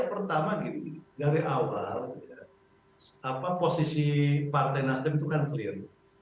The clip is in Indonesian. pertama gini dari awal posisi partai nasdem itu kan clear